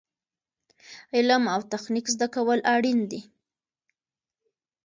علم او تخنیک زده کول اړین دي